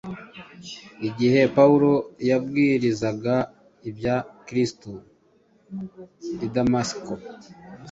Igihe Pawulo yabwirizaga ibya Kristo i Damasiko,